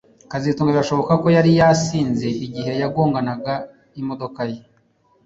kazitunga birashoboka ko yari yasinze igihe yagonganaga imodoka ye